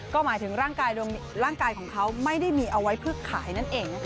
ก็หมายถึงร่างกายของเขาไม่ได้มีเอาไว้เพื่อขายนั่นเองนะคะ